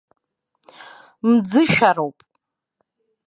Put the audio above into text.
Мӡышәароуп.